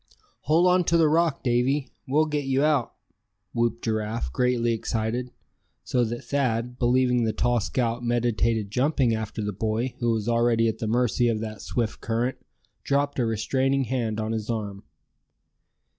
"Hold on to the rock, Davy! We'll get you out!" whooped Giraffe, greatly excited, so that Thad, believing the tall scout meditated jumping after the boy who was already at the mercy of that swift current, dropped a restraining hand on his arm.